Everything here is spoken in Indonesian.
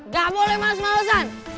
gak boleh males malesan